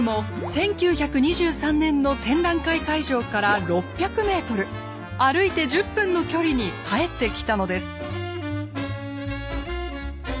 １９２３年の展覧会会場から６００メートル歩いて１０分の距離に帰ってきたのです。